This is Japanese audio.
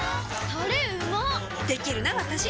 タレうまっできるなわたし！